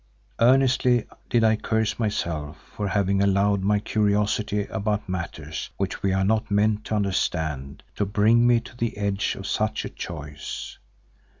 Earnestly did I curse myself for having allowed my curiosity about matters which we are not meant to understand to bring me to the edge of such a choice.